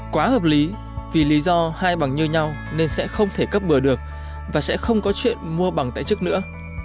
quá hợp lý vì lý do hai bằng như nhau nên sẽ không thể cấp bừa được và sẽ không có chuyện mua bằng tại chức nữa